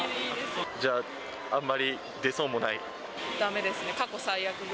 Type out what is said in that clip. じゃあ、あんまり出そうもなだめですね。